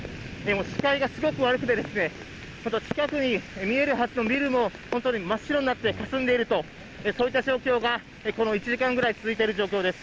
視界もすごく悪く手ですね、近くに見えるはずのビルも、本当に真っ白になって、かすんでいると、そういった状況がこの１時間ぐらい続いている状況です。